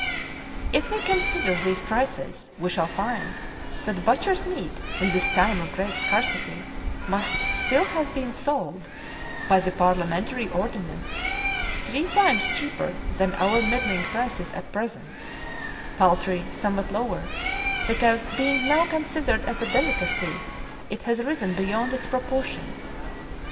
If we consider these prices, we shall find that butcher's meat, in this time of great scarcity, must still have been sold, by the parliamentary ordinance, three times cheaper than our middling prices at present; poultry somewhat lower, because, being now considered as a delicacy, it has risen beyond its proportion.